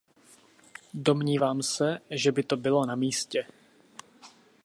Domnívám se, že by to bylo na místě.